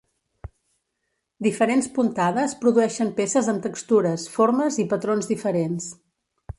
Diferents puntades produeixen peces amb textures, formes i patrons diferents.